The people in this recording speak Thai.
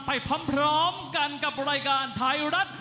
ไปพร้อมกันกับรายการไทยรัฐ